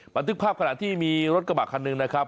บันทึกภาพขณะที่มีรถกระบะคันหนึ่งนะครับ